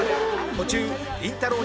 途中りんたろー。